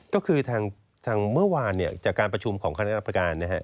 ก็คือทางเมื่อวานจากการประชุมของคณะรับประการ